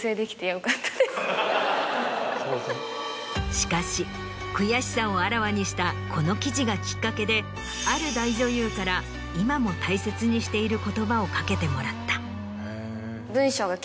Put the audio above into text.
しかし悔しさをあらわにしたこの記事がきっかけである大女優から今も大切にしている言葉を掛けてもらった。